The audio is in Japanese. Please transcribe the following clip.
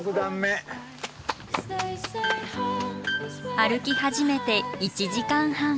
歩き始めて１時間半。